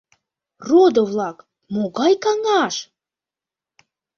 — Родо-влак, могай каҥаш?